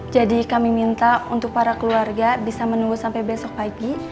jadi kami minta untuk para keluarga bisa menunggu sampai besok pagi